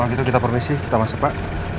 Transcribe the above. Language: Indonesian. kalau gitu kita permisi kita masuk pak